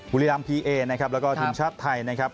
บุรีรามพีเอและก็ถึงชาติไทยนะครับ